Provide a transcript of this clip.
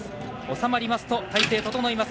収まりますと、態勢、整います。